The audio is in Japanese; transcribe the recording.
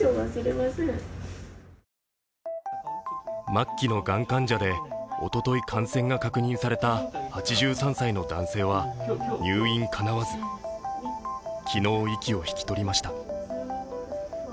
末期のがん患者でおととい感染が確認された８３歳の男性は入院かなわず、昨日、息を引き取りました。